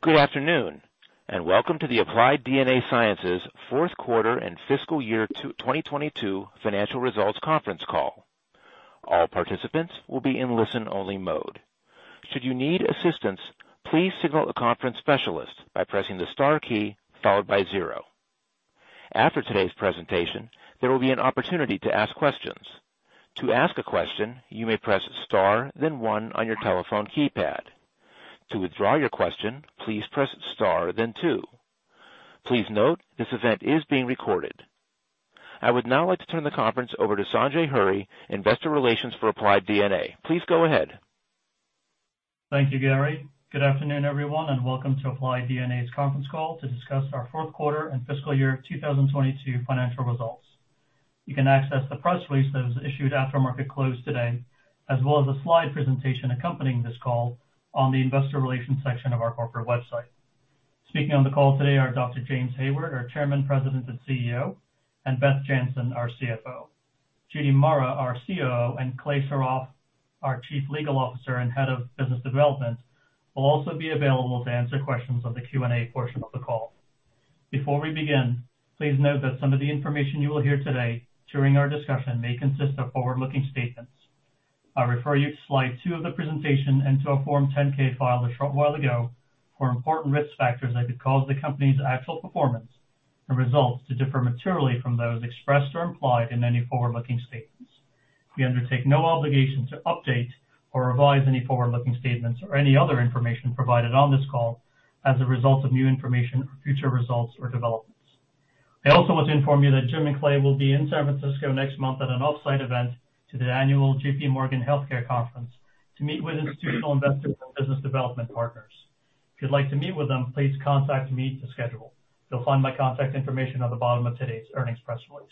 Good afternoon, welcome to the Applied DNA Sciences Q4 and fiscal year 2022 financial results conference call. All participants will be in listen-only mode. Should you need assistance, please signal a conference specialist by pressing the star key followed by zero. After today's presentation, there will be an opportunity to ask questions. To ask a question, you may press star then one on your telephone keypad. To withdraw your question, please press star then two. Please note this event is being recorded. I would now like to turn the conference over to Sanjay Hurry, Investor Relations for Applied DNA. Please go ahead. Thank you, Gary. Good afternoon, everyone. Welcome to Applied DNA's conference call to discuss our Q4 and fiscal year 2022 financial results. You can access the press release that was issued after market close today, as well as a slide presentation accompanying this call on the investor relations section of our corporate website. Speaking on the call today are Dr. James Hayward, our Chairman, President, and CEO, and Beth Jantzen, our CFO. Judy Murrah, our COO, and Clay Shorrock, our Chief Legal Officer and Head of Business Development, will also be available to answer questions on the Q&A portion of the call. Before we begin, please note that some of the information you will hear today during our discussion may consist of forward-looking statements. I refer you to slide two of the presentation and to our Form 10-K filed a short while ago for important risk factors that could cause the company's actual performance and results to differ materially from those expressed or implied in any forward-looking statements. We undertake no obligation to update or revise any forward-looking statements or any other information provided on this call as a result of new information, future results, or developments. I also want to inform you that Jim and Clay will be in San Francisco next month at an off-site event to the annual J.P. Morgan Healthcare Conference to meet with institutional investors and business development partners. If you'd like to meet with them, please contact me to schedule. You'll find my contact information on the bottom of today's earnings press release.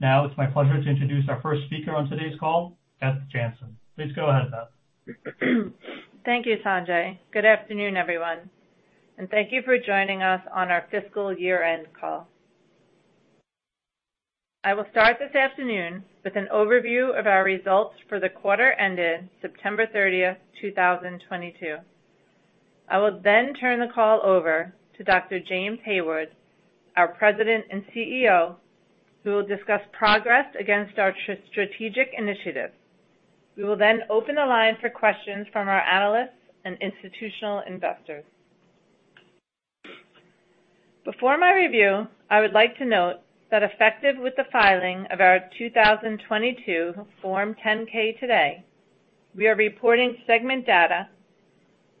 Now, it's my pleasure to introduce our first speaker on today's call, Beth Jantzen. Please go ahead, Beth. Thank you, Sanjay. Good afternoon, everyone, and thank you for joining us on our fiscal year-end call. I will start this afternoon with an overview of our results for the quarter ended September 30th, 2022. I will turn the call over to Dr. James Hayward, our President and CEO, who will discuss progress against our strategic initiatives. We will open the line for questions from our analysts and institutional investors. Before my review, I would like to note that effective with the filing of our 2022 Form 10-K today, we are reporting segment data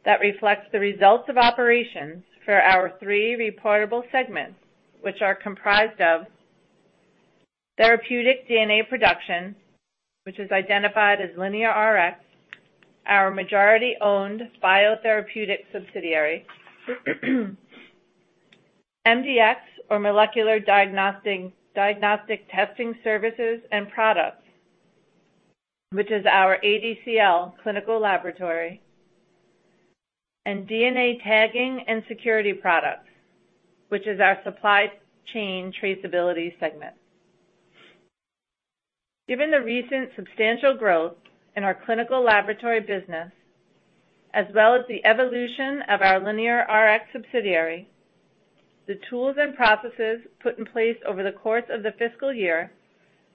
that reflects the results of operations for our three reportable segments, which are comprised of therapeutic DNA production, which is identified as LineaRx, our majority-owned biotherapeutic subsidiary, MDx or molecular diagnostic testing services and products, which is our ADCL clinical laboratory, and DNA tagging and security products, which is our supply chain traceability segment. Given the recent substantial growth in our clinical laboratory business, as well as the evolution of our LineaRx subsidiary, the tools and processes put in place over the course of the fiscal year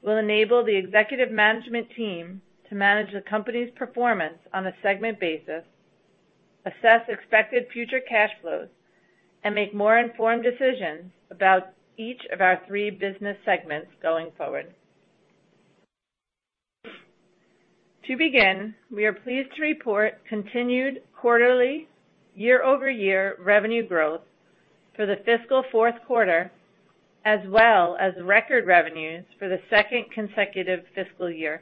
will enable the executive management team to manage the company's performance on a segment basis, assess expected future cash flows, and make more informed decisions about each of our three business segments going forward. To begin, we are pleased to report continued quarterly year-over-year revenue growth for the fiscal Q4, as well as record revenues for the second consecutive fiscal year.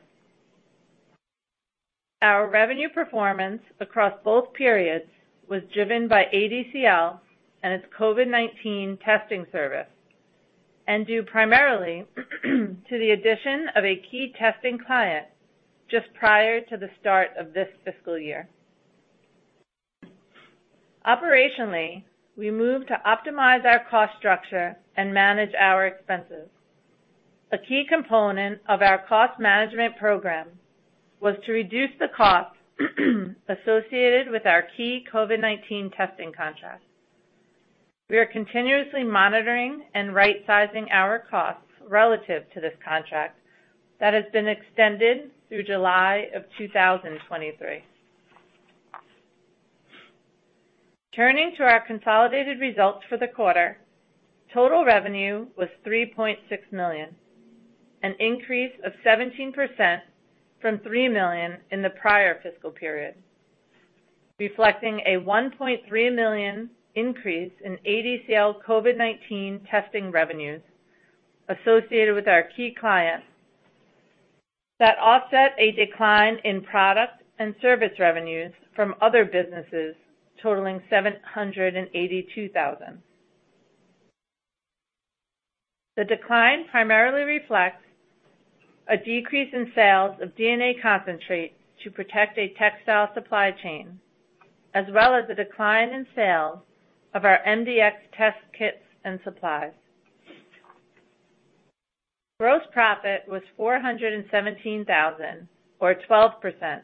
Our revenue performance across both periods was driven by ADCL and its COVID-19 testing service and due primarily to the addition of a key testing client just prior to the start of this fiscal year. Operationally, we moved to optimize our cost structure and manage our expenses. A key component of our cost management program was to reduce the cost associated with our key COVID-19 testing contracts. We are continuously monitoring and rightsizing our costs relative to this contract that has been extended through July of 2023. Turning to our consolidated results for the quarter, total revenue was $3.6 million, an increase of 17% from $3 million in the prior fiscal period, reflecting a $1.3 million increase in ADCL COVID-19 testing revenues associated with our key clients that offset a decline in product and service revenues from other businesses totaling $782,000. The decline primarily reflects a decrease in sales of DNA concentrate to protect a textile supply chain, as well as a decline in sales of our MDx test kits and supplies. Gross profit was $417,000 or 12%,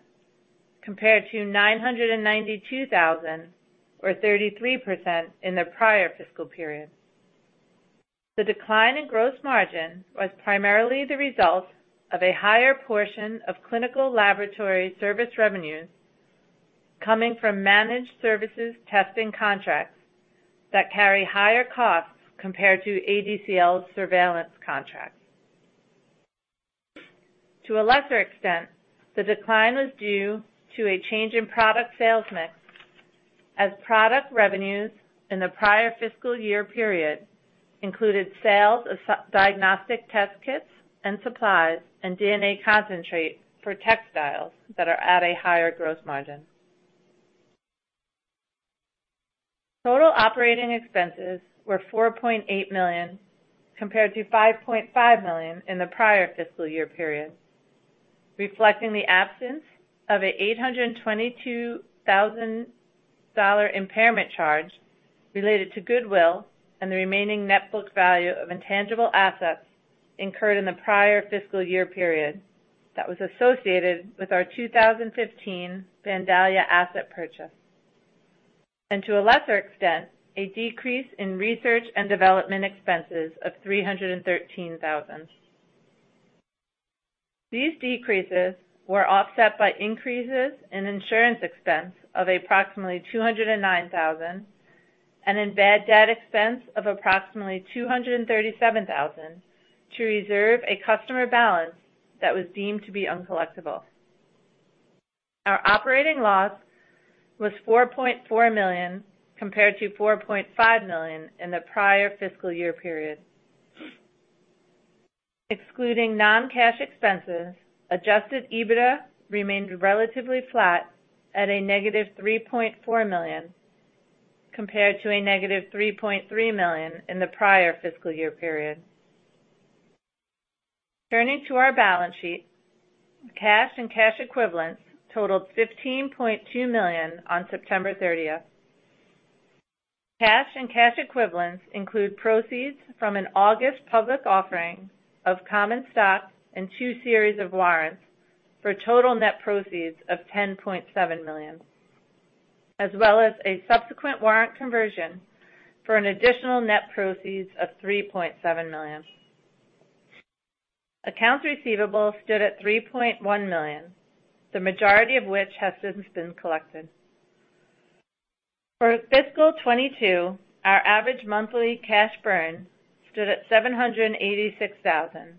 compared to $992,000 or 33% in the prior fiscal period. The decline in gross margin was primarily the result of a higher portion of clinical laboratory service revenues coming from managed services testing contracts that carry higher costs compared to ADCL's surveillance contracts. To a lesser extent, the decline was due to a change in product sales mix as product revenues in the prior fiscal year period included sales of MDx diagnostic test kits and supplies and DNA concentrate for textiles that are at a higher gross margin. Total operating expenses were $4.8 million, compared to $5.5 million in the prior fiscal year period, reflecting the absence of a $822,000 impairment charge related to goodwill and the remaining net book value of intangible assets incurred in the prior fiscal year period that was associated with our 2015 Vandalia asset purchase. To a lesser extent, a decrease in research and development expenses of $313,000. These decreases were offset by increases in insurance expense of approximately $209,000 and in bad debt expense of approximately $237,000 to reserve a customer balance that was deemed to be uncollectible. Our operating loss was $4.4 million compared to $4.5 million in the prior fiscal year period. Excluding non-cash expenses, adjusted EBITDA remained relatively flat at -$3.4 million, compared to -$3.3 million in the prior fiscal year period. Turning to our balance sheet, cash and cash equivalents totaled $15.2 million on September 30th. Cash and cash equivalents include proceeds from an August public offering of common stock and two series of warrants for total net proceeds of $10.7 million, as well as a subsequent warrant conversion for an additional net proceeds of $3.7 million. Accounts receivable stood at $3.1 million, the majority of which has since been collected. For fiscal 2022, our average monthly cash burn stood at $786,000,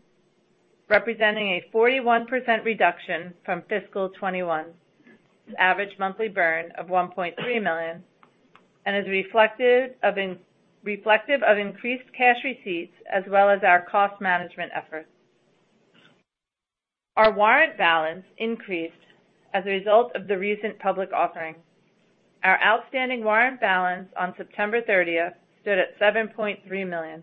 representing a 41% reduction from fiscal 2021's average monthly burn of $1.3 million, and is reflective of increased cash receipts as well as our cost management efforts. Our warrant balance increased as a result of the recent public offering. Our outstanding warrant balance on September 30th stood at $7.3 million.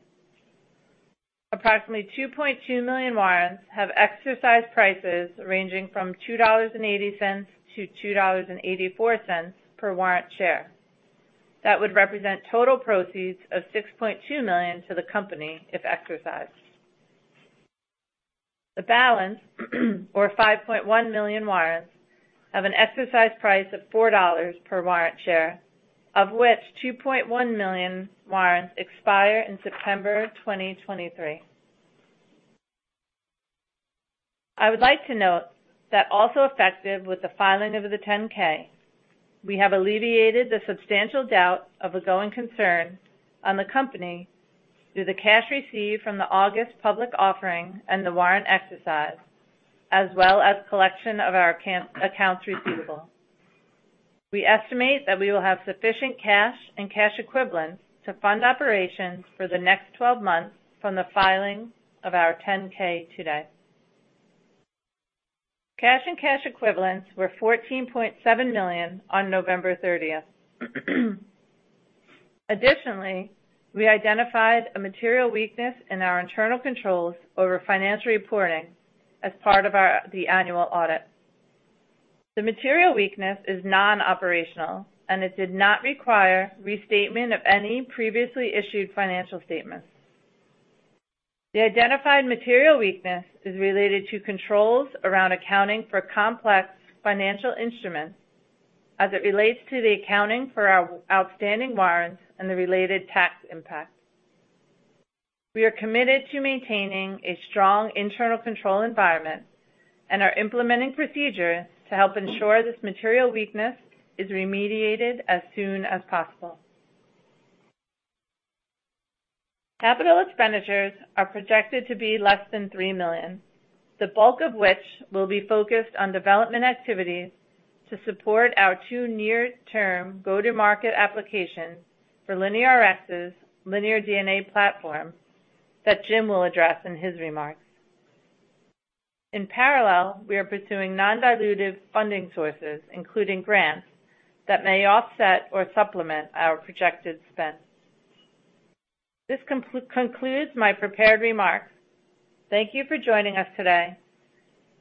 Approximately 2.2 million warrants have exercise prices ranging from $2.80 to $2.84 per warrant share. That would represent total proceeds of $6.2 million to the company if exercised. The balance, or 5.1 million warrants, have an exercise price of $4 per warrant share, of which 2.1 million warrants expire in September 2023. I would like to note that also effective with the filing of the 10-K, we have alleviated the substantial doubt of a going concern on the company through the cash received from the August public offering and the warrant exercise, as well as collection of our accounts receivable. We estimate that we will have sufficient cash and cash equivalents to fund operations for the next 12 months from the filing of our 10-K today. Cash and cash equivalents were $14.7 million on November 30th. Additionally, we identified a material weakness in our internal controls over financial reporting as part of the annual audit. The material weakness is non-operational, and it did not require restatement of any previously issued financial statements. The identified material weakness is related to controls around accounting for complex financial instruments as it relates to the accounting for our outstanding warrants and the related tax impact. We are committed to maintaining a strong internal control environment and are implementing procedures to help ensure this material weakness is remediated as soon as possible. Capital expenditures are projected to be less than $3 million, the bulk of which will be focused on development activities to support our two near-term go-to-market applications for LineaRx's LinearDNA platform that Jim will address in his remarks. In parallel, we are pursuing non-dilutive funding sources, including grants, that may offset or supplement our projected spend. This concludes my prepared remarks. Thank you for joining us today.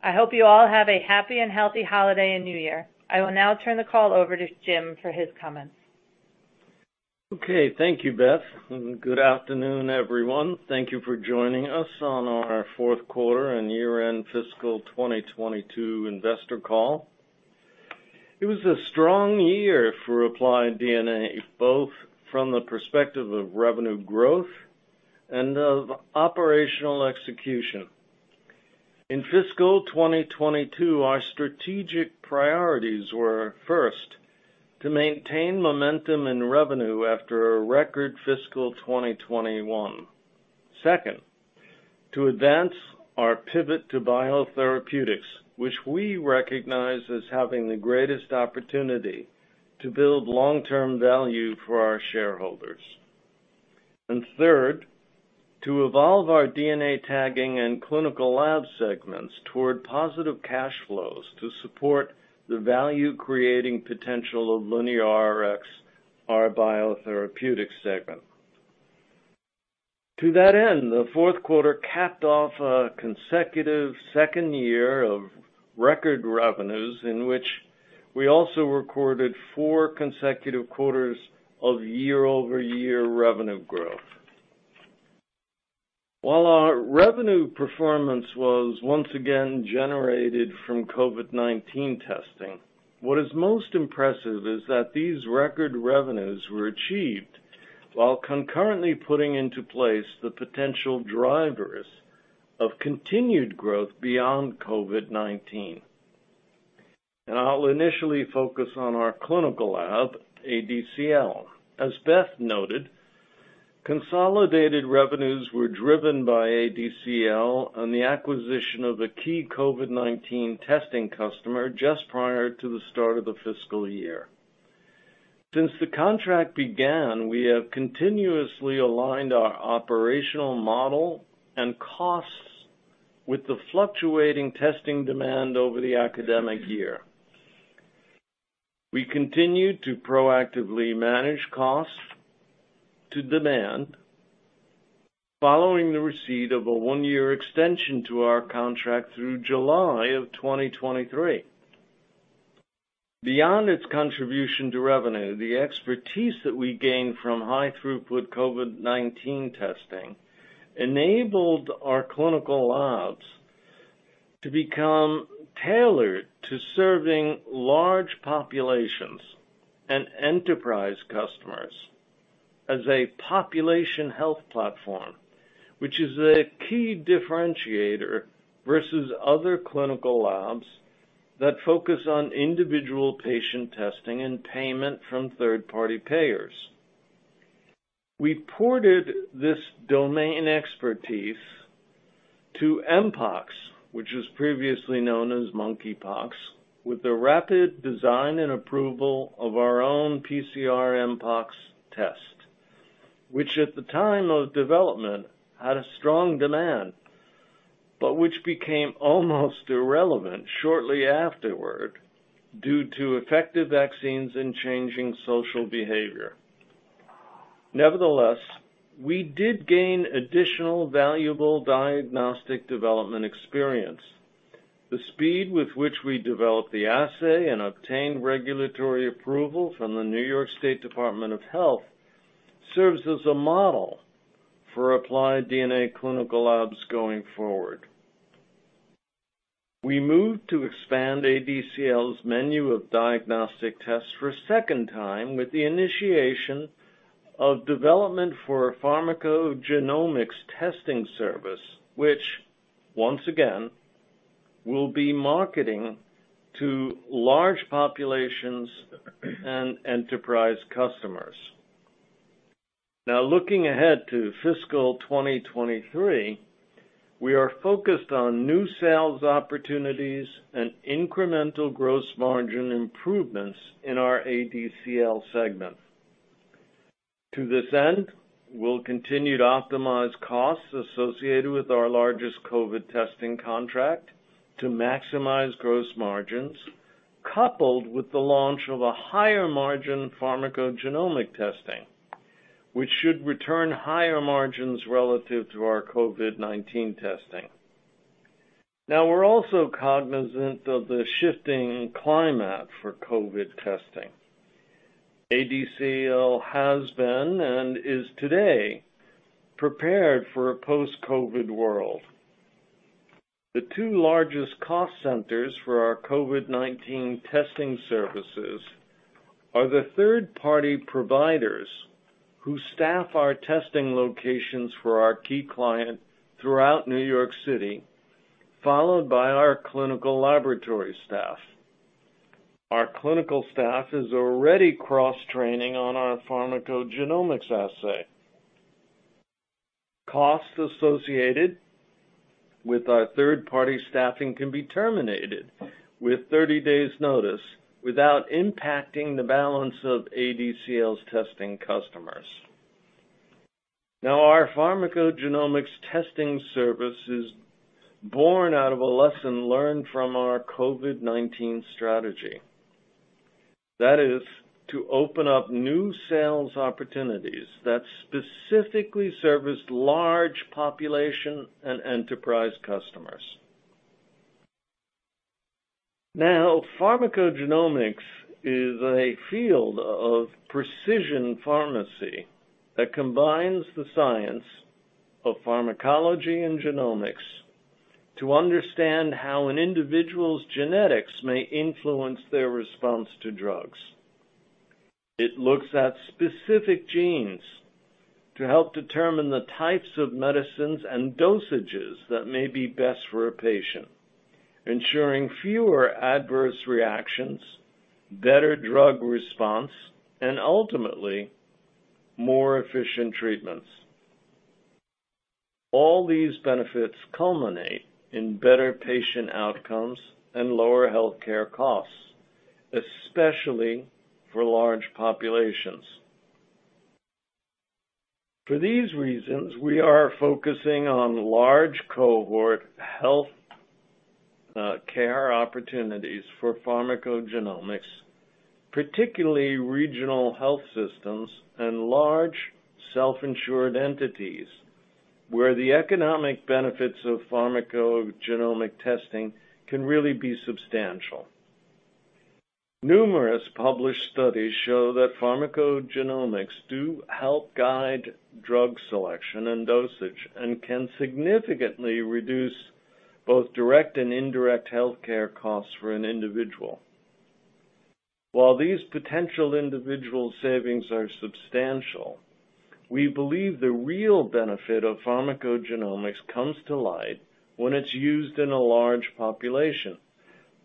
I hope you all have a happy and healthy holiday and new year. I will now turn the call over to Jim for his comments. Okay. Thank you, Beth, good afternoon, everyone. Thank you for joining us on our Q4 and year-end fiscal 2022 investor call. It was a strong year for Applied DNA, both from the perspective of revenue growth and of operational execution. In fiscal 2022, our strategic priorities were, first, to maintain momentum and revenue after a record fiscal 2021. Second, to advance our pivot to biotherapeutics, which we recognize as having the greatest opportunity to build long-term value for our shareholders. Third, to evolve our DNA tagging and clinical lab segments toward positive cash flows to support the value-creating potential of LineaRx, our biotherapeutic segment. To that end, the Q4 capped off a consecutive second year of record revenues in which we also recorded four consecutive quarters of year-over-year revenue growth. While our revenue performance was once again generated from COVID-19 testing, what is most impressive is that these record revenues were achieved while concurrently putting into place the potential drivers of continued growth beyond COVID-19. I'll initially focus on our clinical lab, ADCL. As Beth noted, consolidated revenues were driven by ADCL on the acquisition of a key COVID-19 testing customer just prior to the start of the fiscal year. Since the contract began, we have continuously aligned our operational model and costs with the fluctuating testing demand over the academic year. We continued to proactively manage costs to demand following the receipt of a one-year extension to our contract through July of 2023. Beyond its contribution to revenue, the expertise that we gained from high-throughput COVID-19 testing enabled our clinical labs to become tailored to serving large populations and enterprise customers as a population health platform, which is a key differentiator versus other clinical labs that focus on individual patient testing and payment from third-party payers. We ported this domain expertise to mpox, which was previously known as monkeypox, with the rapid design and approval of our own PCR mpox test, which at the time of development, had a strong demand, but which became almost irrelevant shortly afterward due to effective vaccines and changing social behavior. Nevertheless, we did gain additional valuable diagnostic development experience. The speed with which we developed the assay and obtained regulatory approval from the New York State Department of Health serves as a model for Applied DNA Clinical Labs going forward. We moved to expand ADCL's menu of diagnostic tests for a second time with the initiation of development for a pharmacogenomics testing service, which, once again, will be marketing to large populations and enterprise customers. Looking ahead to fiscal 2023, we are focused on new sales opportunities and incremental gross margin improvements in our ADCL segment. To this end, we'll continue to optimize costs associated with our largest COVID testing contract to maximize gross margins, coupled with the launch of a higher-margin pharmacogenomic testing, which should return higher margins relative to our COVID-19 testing. We're also cognizant of the shifting climate for COVID testing. ADCL has been and is today prepared for a post-COVID world. The two largest cost centers for our COVID-19 testing services are the third-party providers who staff our testing locations for our key client throughout New York City, followed by our clinical laboratory staff. Our clinical staff is already cross-training on our pharmacogenomics assay. Costs associated with our third-party staffing can be terminated with 30 days notice without impacting the balance of ADCL's testing customers. Our pharmacogenomics testing service is born out of a lesson learned from our COVID-19 strategy, that is, to open up new sales opportunities that specifically service large population and enterprise customers. Pharmacogenomics is a field of precision pharmacy that combines the science of pharmacology and genomics to understand how an individual's genetics may influence their response to drugs. It looks at specific genes to help determine the types of medicines and dosages that may be best for a patient, ensuring fewer adverse reactions, better drug response, and ultimately, more efficient treatments. All these benefits culminate in better patient outcomes and lower healthcare costs, especially for large populations. For these reasons, we are focusing on large cohort health care opportunities for pharmacogenomics, particularly regional health systems and large self-insured entities, where the economic benefits of pharmacogenomic testing can really be substantial. Numerous published studies show that pharmacogenomics do help guide drug selection and dosage, and can significantly reduce both direct and indirect healthcare costs for an individual. While these potential individual savings are substantial, we believe the real benefit of pharmacogenomics comes to light when it's used in a large population,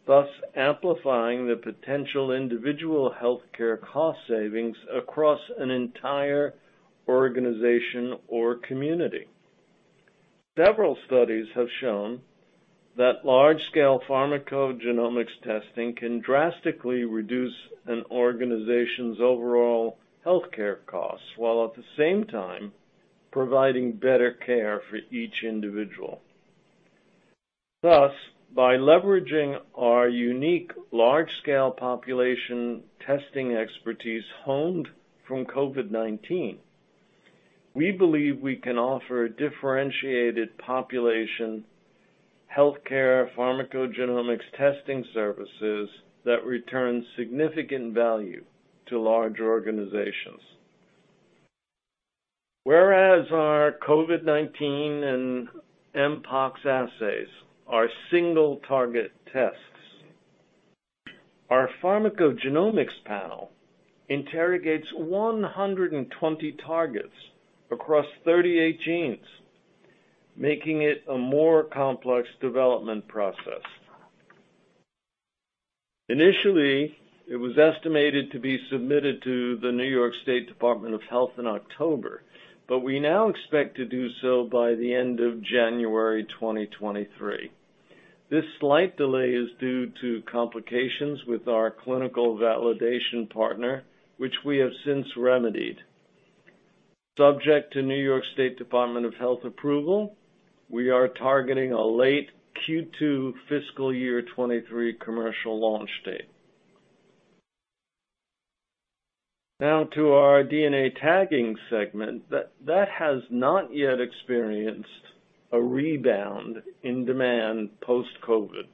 thus amplifying the potential individual healthcare cost savings across an entire organization or community. Several studies have shown that large-scale pharmacogenomics testing can drastically reduce an organization's overall healthcare costs, while at the same time, providing better care for each individual. By leveraging our unique large-scale population testing expertise honed from COVID-19, we believe we can offer differentiated population healthcare pharmacogenomics testing services that return significant value to large organizations. Our COVID-19 and Mpox assays are single target tests, our pharmacogenomics panel interrogates 120 targets across 38 genes, making it a more complex development process. Initially, it was estimated to be submitted to the New York State Department of Health in October, but we now expect to do so by the end of January 2023. This slight delay is due to complications with our clinical validation partner, which we have since remedied. Subject to New York State Department of Health approval, we are targeting a late Q2 fiscal year 23 commercial launch date. Now to our DNA tagging segment. That has not yet experienced a rebound in demand post-COVID.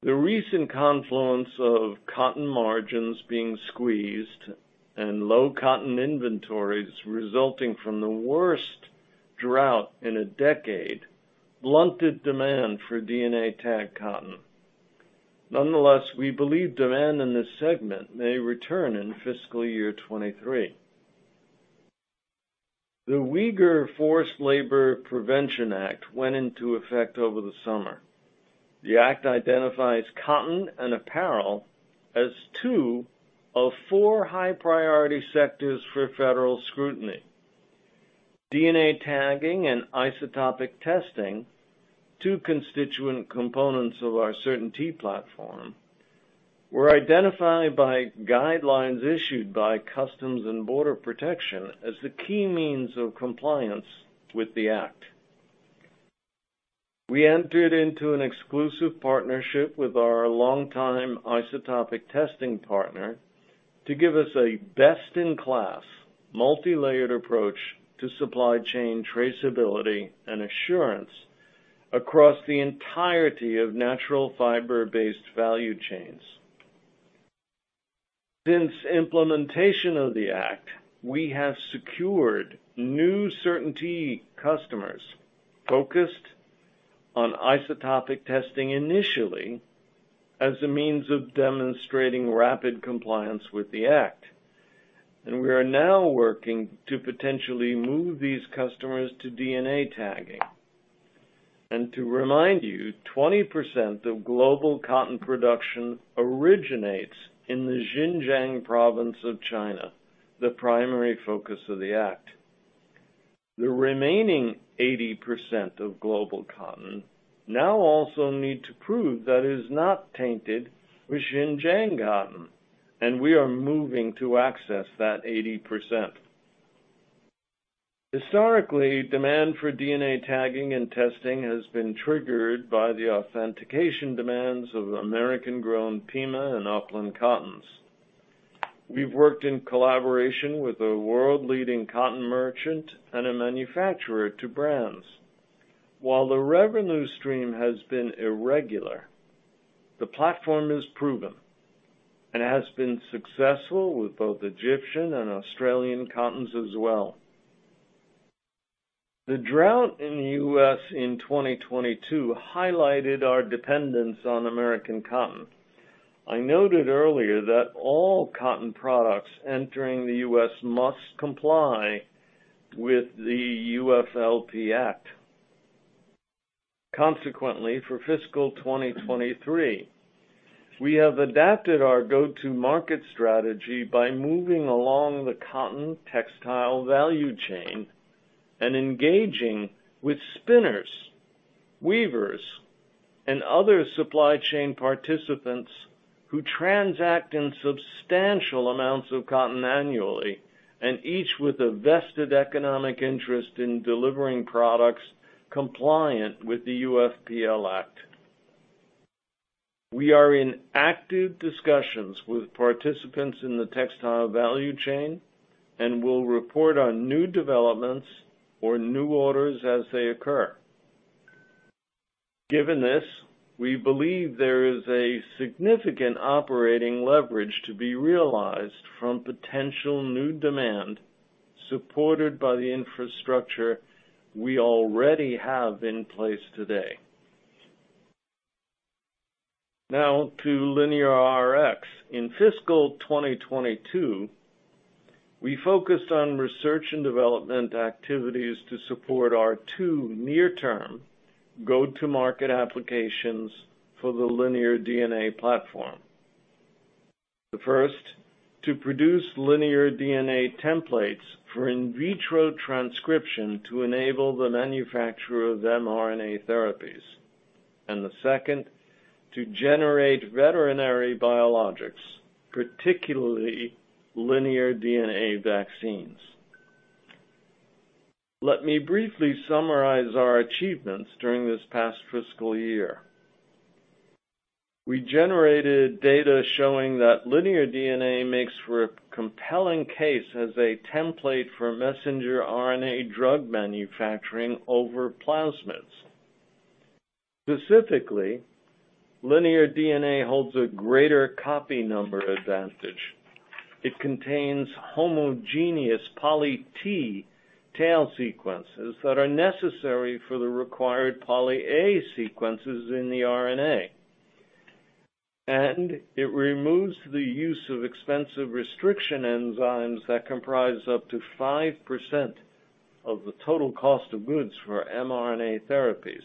The recent confluence of cotton margins being squeezed and low cotton inventories resulting from the worst drought in a decade blunted demand for DNA tag cotton. Nonetheless, we believe demand in this segment may return in fiscal year 23. The Uyghur Forced Labor Prevention Act went into effect over the summer. The act identifies cotton and apparel as two of four high-priority sectors for federal scrutiny. DNA tagging and isotopic testing, two constituent components of our CertainT platform, were identified by guidelines issued by Customs and Border Protection as the key means of compliance with the act. We entered into an exclusive partnership with our longtime isotopic testing partner to give us a best-in-class, multi-layered approach to supply chain traceability and assurance across the entirety of natural fiber-based value chains. Since implementation of the act, we have secured new CertainT customers focused on isotopic testing initially as a means of demonstrating rapid compliance with the act, we are now working to potentially move these customers to DNA tagging. To remind you, 20% of global cotton production originates in the Xinjiang province of China, the primary focus of the act. The remaining 80% of global cotton now also need to prove that it is not tainted with Xinjiang cotton, we are moving to access that 80%. Historically, demand for DNA tagging and testing has been triggered by the authentication demands of American-grown Pima and Upland cottons. We've worked in collaboration with a world-leading cotton merchant and a manufacturer to brands. While the revenue stream has been irregular, the platform is proven and has been successful with both Egyptian and Australian cottons as well. The drought in the U.S. in 2022 highlighted our dependence on American cotton. I noted earlier that all cotton products entering the U.S. must comply with the UFLPA Act. Consequently, for fiscal 2023, we have adapted our go-to-market strategy by moving along the cotton textile value chain and engaging with spinners, weavers, and other supply chain participants who transact in substantial amounts of cotton annually, and each with a vested economic interest in delivering products compliant with the UFLPA Act. We are in active discussions with participants in the textile value chain. We'll report on new developments or new orders as they occur. Given this, we believe there is a significant operating leverage to be realized from potential new demand supported by the infrastructure we already have in place today. Now to LineaRx. In fiscal 2022, we focused on research and development activities to support our two near-term go-to-market applications for the LinearDNA platform. The first, to produce LinearDNA templates for in vitro transcription to enable the manufacture of mRNA therapies. The second, to generate veterinary biologics, particularly LinearDNA vaccines. Let me briefly summarize our achievements during this past fiscal year. We generated data showing that LinearDNA makes for a compelling case as a template for mRNA drug manufacturing over plasmids. Specifically, LinearDNA holds a greater copy number advantage. It contains homogeneous poly-T tail sequences that are necessary for the required poly-A sequences in the RNA. It removes the use of expensive restriction enzymes that comprise up to 5% of the total cost of goods for mRNA therapies.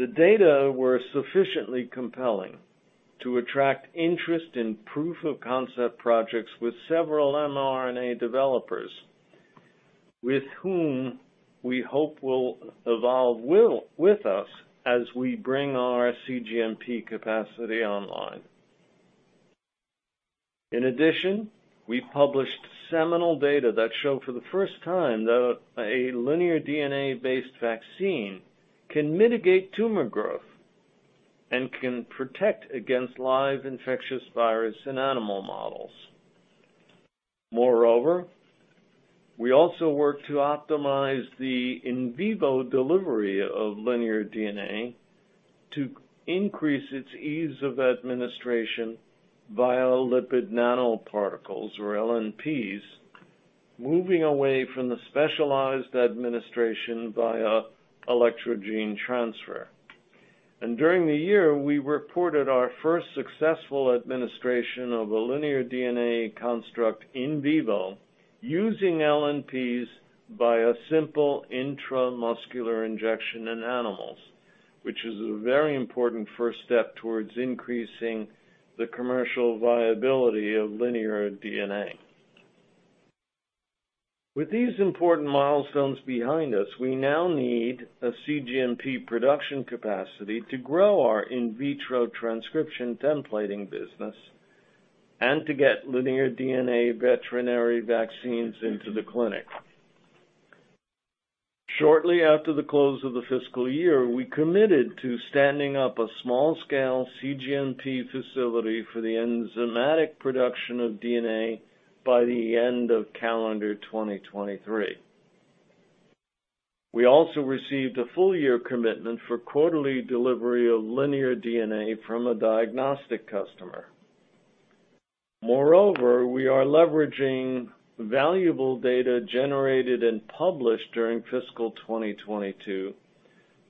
The data were sufficiently compelling to attract interest in proof-of-concept projects with several mRNA developers with whom we hope will evolve with us as we bring our cGMP capacity online. We also work to optimize the in vivo delivery of linear DNA to increase its ease of administration via lipid nanoparticles, or LNPs, moving away from the specialized administration via electrogene transfer. During the year, we reported our first successful administration of a LinearDNA construct in vivo using LNPs via simple intramuscular injection in animals, which is a very important first step towards increasing the commercial viability of LinearDNA. With these important milestones behind us, we now need a cGMP production capacity to grow our in vitro transcription templating business and to get LinearDNA veterinary vaccines into the clinic. Shortly after the close of the fiscal year, we committed to standing up a small-scale cGMP facility for the enzymatic production of DNA by the end of calendar 2023. We also received a full-year commitment for quarterly delivery of LinearDNA from a diagnostic customer. We are leveraging valuable data generated and published during fiscal 2022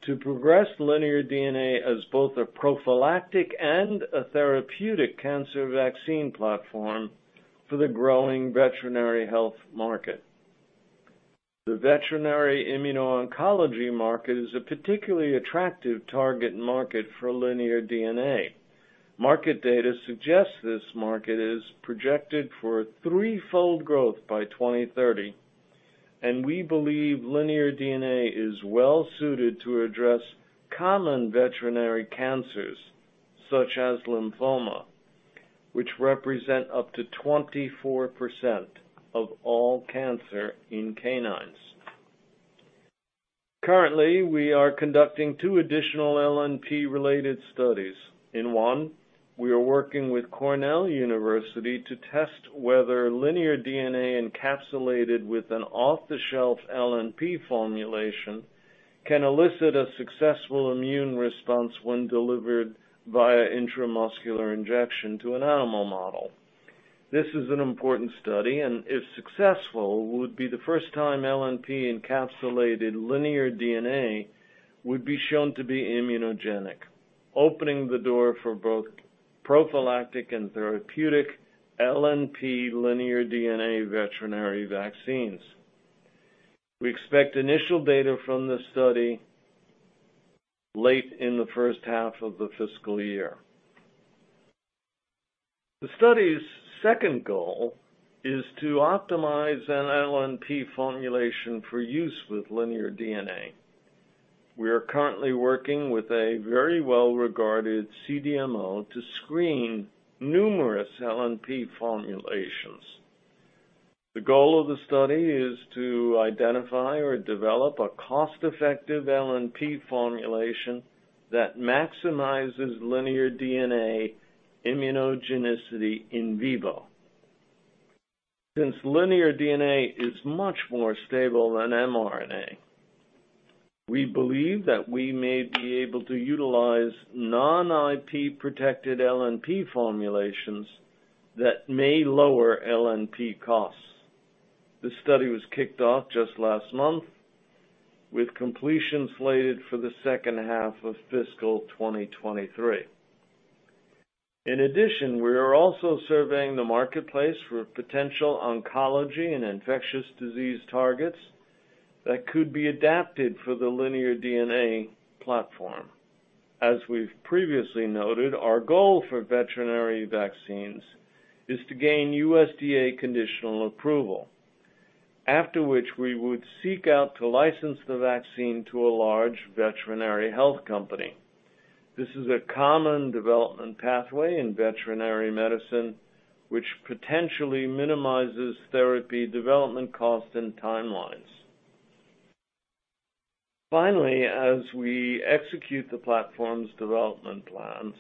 to progress LinearDNA as both a prophylactic and a therapeutic cancer vaccine platform for the growing veterinary health market. The veterinary immuno-oncology market is a particularly attractive target market for LinearDNA. Market data suggests this market is projected for threefold growth by 2030, and we believe LinearDNA is well-suited to address common veterinary cancers, such as lymphoma, which represent up to 24% of all cancer in canines. Currently, we are conducting two additional LNP-related studies. In one, we are working with Cornell University to test whether LinearDNA encapsulated with an off-the-shelf LNP formulation can elicit a successful immune response when delivered via intramuscular injection to an animal model. This is an important study, and if successful, would be the first time LNP-encapsulated LinearDNA would be shown to be immunogenic, opening the door for both prophylactic and therapeutic LNP LinearDNA veterinary vaccines. We expect initial data from this study late in the first half of the fiscal year. The study's second goal is to optimize an LNP formulation for use with LinearDNA. We are currently working with a very well-regarded CDMO to screen numerous LNP formulations. The goal of the study is to identify or develop a cost-effective LNP formulation that maximizes LinearDNA immunogenicity in vivo. Since LinearDNA is much more stable than mRNA, we believe that we may be able to utilize non-IP protected LNP formulations that may lower LNP costs. The study was kicked off just last month, with completion slated for the second half of fiscal 2023. In addition, we are also surveying the marketplace for potential oncology and infectious disease targets that could be adapted for the LinearDNA platform. As we've previously noted, our goal for veterinary vaccines is to gain USDA conditional approval, after which we would seek out to license the vaccine to a large veterinary health company. This is a common development pathway in veterinary medicine, which potentially minimizes therapy development costs and timelines. Finally, as we execute the platform's development plans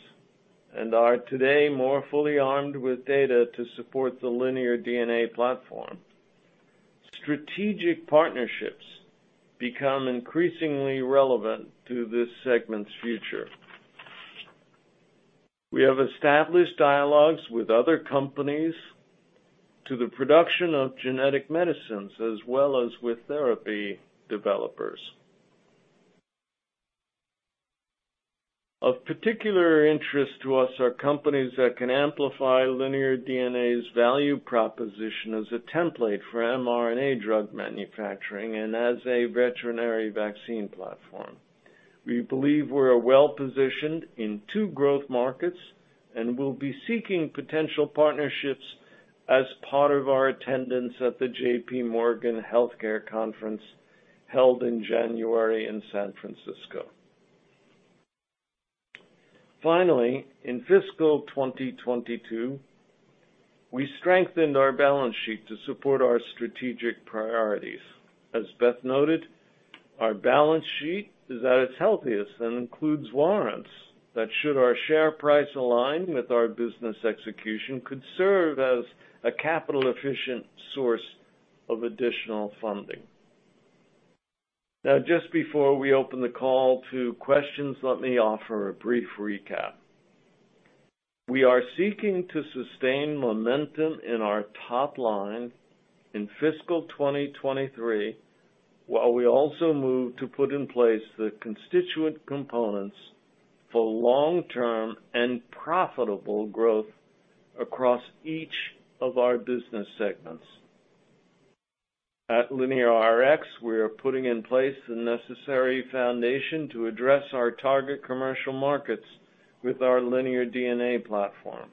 and are today more fully armed with data to support the LinearDNA platform, strategic partnerships become increasingly relevant to this segment's future. We have established dialogues with other companies to the production of genetic medicines, as well as with therapy developers. Of particular interest to us are companies that can amplify LinearDNA's value proposition as a template for mRNA drug manufacturing and as a veterinary vaccine platform. We believe we're well-positioned in two growth markets and will be seeking potential partnerships as part of our attendance at the J.P. Morgan Healthcare Conference held in January in San Francisco. In fiscal 2022, we strengthened our balance sheet to support our strategic priorities. As Beth noted, our balance sheet is at its healthiest and includes warrants that should our share price align with our business execution, could serve as a capital-efficient source of additional funding. Just before we open the call to questions, let me offer a brief recap. We are seeking to sustain momentum in our top line in fiscal 2023, while we also move to put in place the constituent components for long-term and profitable growth across each of our business segments. At LineaRx, we are putting in place the necessary foundation to address our target commercial markets with our LinearDNA platform.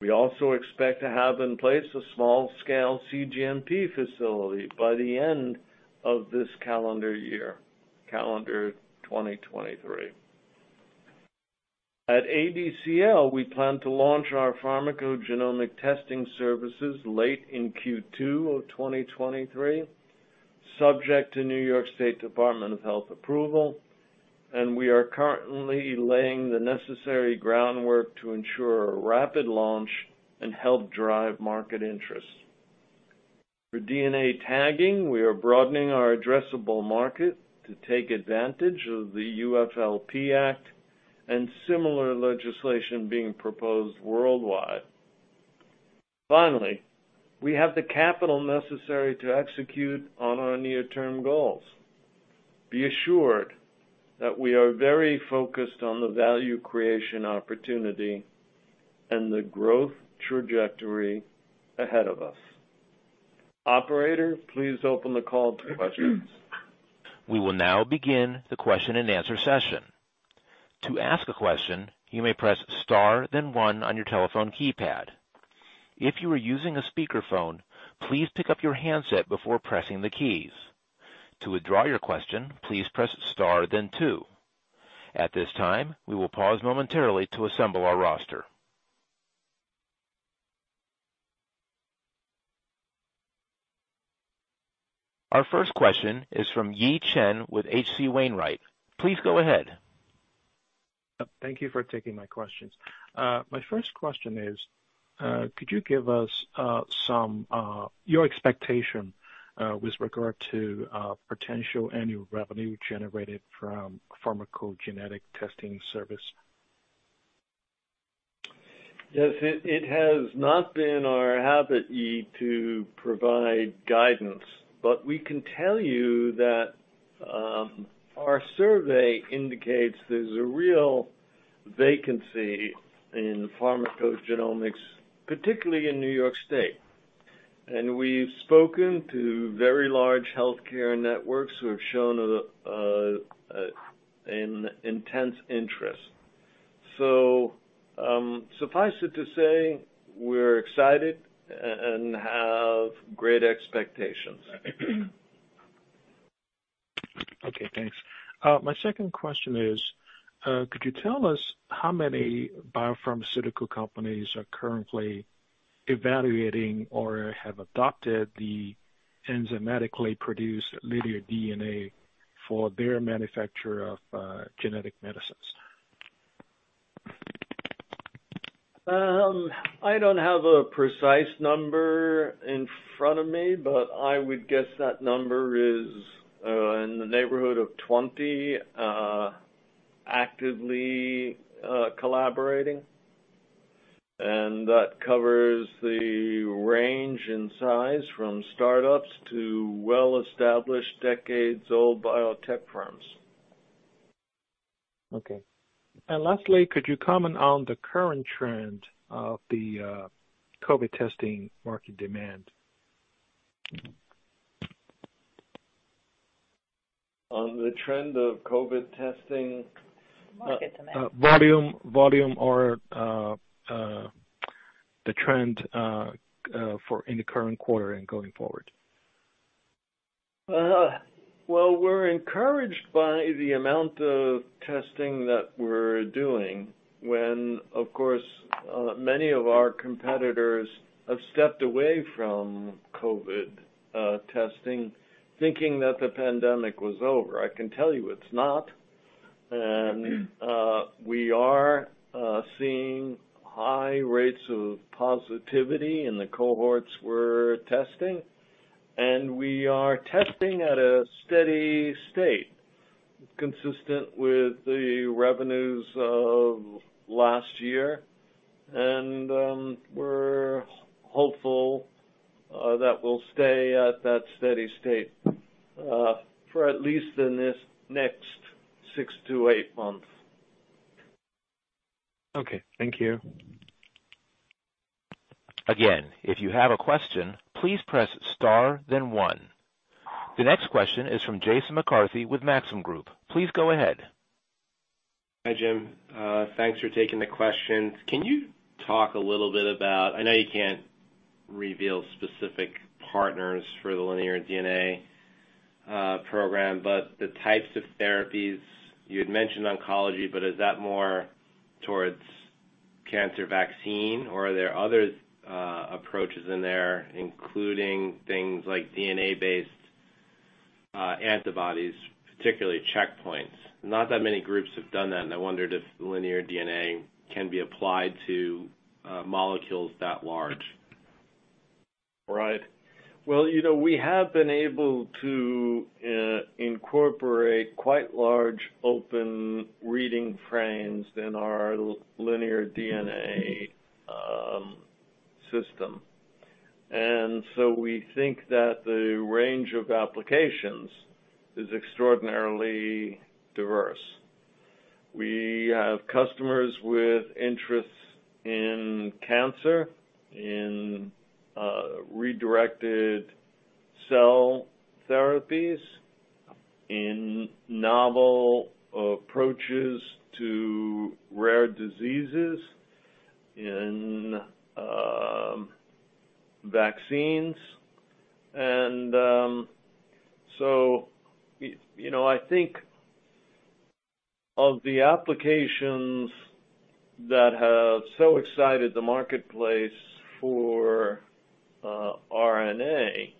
We also expect to have in place a small-scale cGMP facility by the end of this calendar year, calendar 2023. At ADCL, we plan to launch our pharmacogenomic testing services late in Q2 of 2023, subject to New York State Department of Health approval, and we are currently laying the necessary groundwork to ensure a rapid launch and help drive market interest. For DNA tagging, we are broadening our addressable market to take advantage of the UFLPA and similar legislation being proposed worldwide. Finally, we have the capital necessary to execute on our near-term goals. Be assured that we are very focused on the value creation opportunity and the growth trajectory ahead of us. Operator, please open the call to questions. We will now begin the question-and-answer session. To ask a question, you may press star then one on your telephone keypad. If you are using a speakerphone, please pick up your handset before pressing the keys. To withdraw your question, please press star then two. At this time, we will pause momentarily to assemble our roster. Our first question is from Yi Chen with H.C. Wainwright. Please go ahead. Thank you for taking my questions. My first question is, could you give us some your expectation with regard to potential annual revenue generated from pharmacogenetic testing service? Yes. It has not been our habit, Yi, to provide guidance, we can tell you that our survey indicates there's a real vacancy in pharmacogenomics, particularly in New York State. We've spoken to very large healthcare networks who have shown an intense interest. Suffice it to say, we're excited and have great expectations. Okay, thanks. My second question is, could you tell us how many biopharmaceutical companies are currently evaluating or have adopted the enzymatically produced LinearDNA for their manufacture of genetic medicines? I don't have a precise number in front of me, but I would guess that number is in the neighborhood of 20 actively collaborating. That covers the range and size from startups to well-established, decades-old biotech firms. Okay. Lastly, could you comment on the current trend of the COVID testing market demand? On the trend of COVID testing. Market demand. volume or, the trend, for in the current quarter and going forward. Well, we're encouraged by the amount of testing that we're doing when, of course, many of our competitors have stepped away from COVID testing, thinking that the pandemic was over. I can tell you it's not. We are seeing high rates of positivity in the cohorts we're testing, and we are testing at a steady state consistent with the revenues of last year. We're hopeful that we'll stay at that steady state for at least in this next six-eight months. Okay, thank you. Again, if you have a question, please press star then one. The next question is from Jason McCarthy with Maxim Group. Please go ahead. Hi, Jim. Thanks for taking the questions. Can you talk a little bit about... I know you can't reveal specific partners for the LinearDNA program, but the types of therapies, you had mentioned oncology, but is that more towards cancer vaccine or are there other approaches in there, including things like DNA-based antibodies, particularly checkpoints? Not that many groups have done that, and I wondered if LinearDNA can be applied to molecules that large. Right. Well, you know, we have been able to incorporate quite large open reading frames in our LinearDNA system. We think that the range of applications is extraordinarily diverse. We have customers with interests in cancer, in redirected cell therapies, in novel approaches to rare diseases, in vaccines. You know, I think of the applications that have so excited the marketplace for RNA,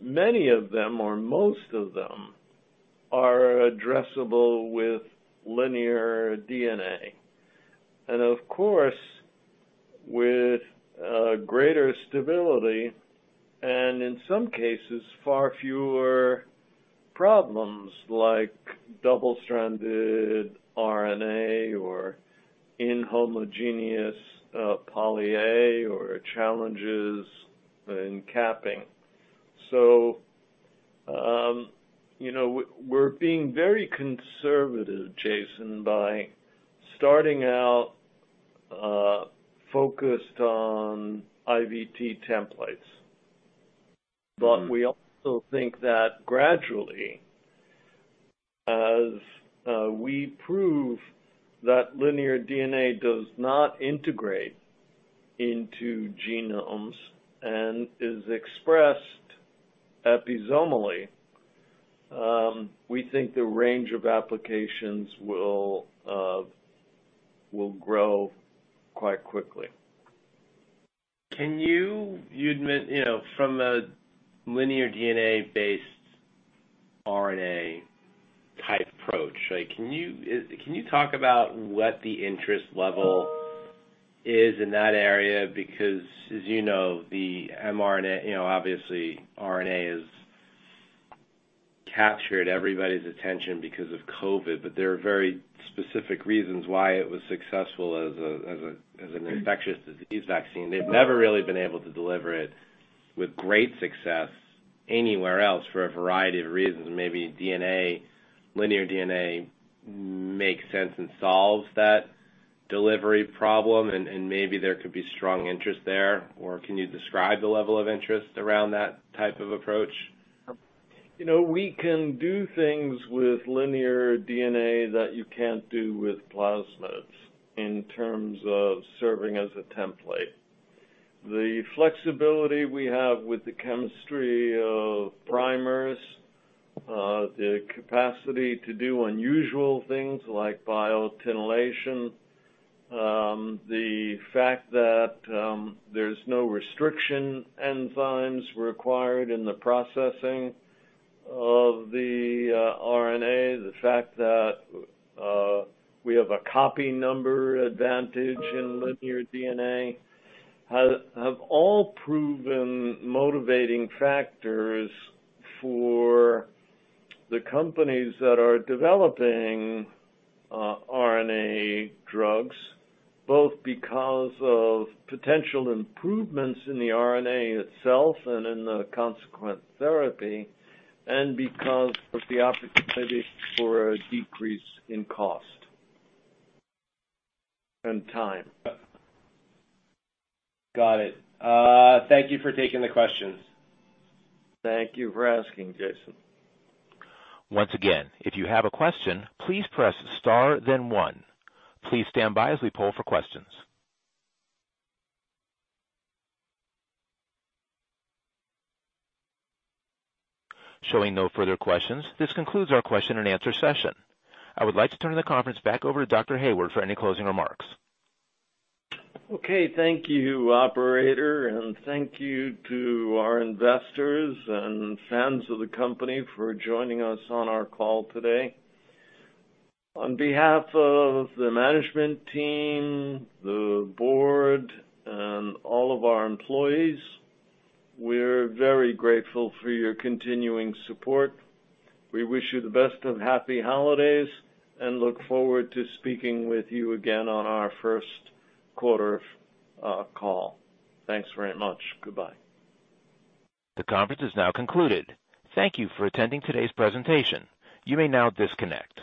many of them or most of them are addressable with LinearDNA. Of course, with greater stability and in some cases, far fewer problems like double-stranded RNA or inhomogeneous poly-A or challenges in capping. You know, we're being very conservative, Jason, by starting out focused on IVT templates. Mm-hmm. We also think that gradually, as we prove that LinearDNA does not integrate into genomes and is expressed episomally, we think the range of applications will grow quite quickly. You know, from a LinearDNA-based RNA type approach, like, can you talk about what the interest level is in that area? As you know, the mRNA, you know, obviously RNA has captured everybody's attention because of COVID, but there are very specific reasons why it was successful as an infectious disease vaccine. They've never really been able to deliver it with great success anywhere else for a variety of reasons. Maybe DNA, LinearDNA makes sense and solves that delivery problem, and maybe there could be strong interest there. Can you describe the level of interest around that type of approach? You know, we can do things with LinearDNA that you can't do with plasmids in terms of serving as a template. The flexibility we have with the chemistry of primers, the capacity to do unusual things like biotinylation, the fact that there's no restriction enzymes required in the processing of the RNA, the fact that we have a copy number advantage in LinearDNA have all proven motivating factors for the companies that are developing RNA drugs, both because of potential improvements in the RNA itself and in the consequent therapy, and because of the opportunity for a decrease in cost and time. Got it. Thank you for taking the questions. Thank you for asking, Jason. Once again, if you have a question, please press star then one. Please stand by as we poll for questions. Showing no further questions, this concludes our question and answer session. I would like to turn the conference back over to Dr. Hayward for any closing remarks. Okay. Thank you, operator, and thank you to our investors and fans of the company for joining us on our call today. On behalf of the management team, the board, and all of our employees, we're very grateful for your continuing support. We wish you the best of happy holidays and look forward to speaking with you again on our first quarter call. Thanks very much. Goodbye. The conference is now concluded. Thank you for attending today's presentation. You may now disconnect.